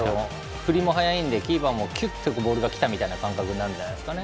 振りも速いんでキーパーもきゅっとボールがきたみたいな感覚なんじゃないですか。